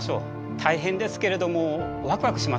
大変ですけれどもワクワクしますよ。